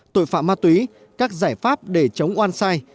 tội phạm ma túy các giải pháp để chống oan sai